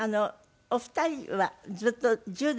お二人はずっと１０代から？